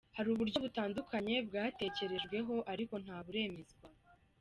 Hari uburyo butandukanye bwatekerejweho ariko nta buremezwa.”